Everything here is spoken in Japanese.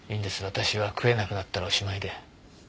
私は食えなくなったらおしまいで。